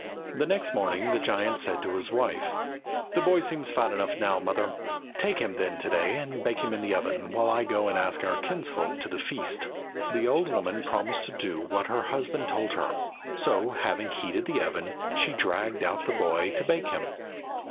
The next morning the giant said to his wife "The boy seems to be fat enough now, mother; take him then to day, and bake him in the oven, while I go and ask our kinsfolk to the feast." The old woman promised to do what her husband told her. So, having heated the oven, she dragged out the boy to bake him.